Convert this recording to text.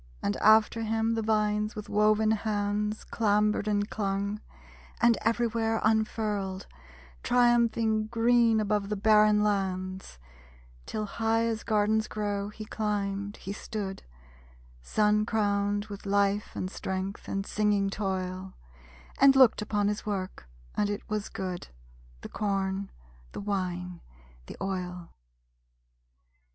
And after him the vines with woven hands Clambered and clung, and everywhere unfurled Triumphing green above the barren lands; Till high as gardens grow, he climbed, he stood, Sun crowned with life and strength, and singing toil, And looked upon his work; and it was good: The corn, the wine, the oil.